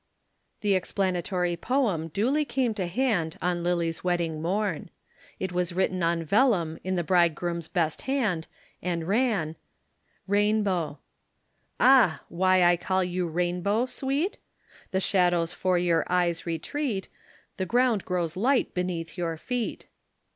The explanatory poem duly came to hand on Lillie's wedding morn. It was written on vellum in the bridegroom's best hand and ran RAINBOW. Ah, why I call you "Rainbow," sweet? The shadows 'fore your eyes retreat, The ground grows light beneath your feet.